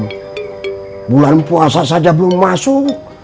bulan puasa saja belum masuk